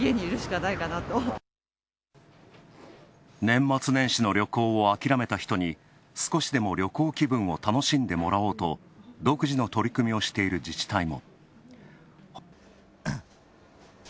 年末年始の旅行を諦めた人に、少しでも旅行気分を楽しんでもらおうと独自の取り組みをしている自治体も。